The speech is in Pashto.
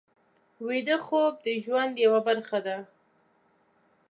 ویده خوب د ژوند یوه برخه ده